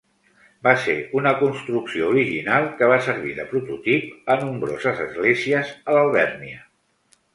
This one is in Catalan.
Va ser una construcció original que va servir de prototip a nombroses esglésies a l'Alvèrnia.